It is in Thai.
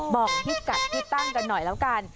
บอกที่ตั้งกันหน่อยแล้วกัน